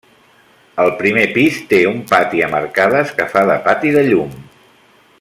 El primer pis té un pati amb arcades que fa de pati de llum.